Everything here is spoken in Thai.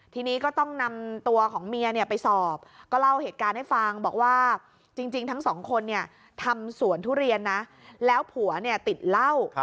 ทีนี้ก็ต้องนำตัวของเมียไปสอบก็เล่าเหตุการณ์ให้ฟังบอกว่าจริงทั้งสองคนเนี่ยทำสวนทุเรียนนะแล้วผัวเนี่ยติดเหล้า